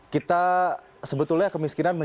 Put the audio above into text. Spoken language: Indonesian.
kita sebetulnya kemiskinan